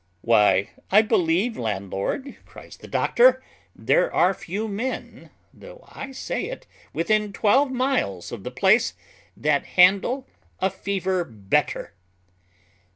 "Why, I believe, landlord," cries the doctor, "there are few men, though I say it, within twelve miles of the place, that handle a fever better.